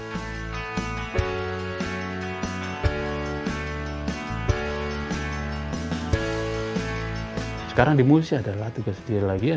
ketika di medan aku merasa terluka